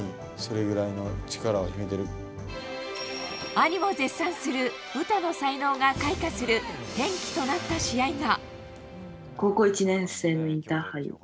兄も絶賛する詩の才能が開花する転機となった試合が。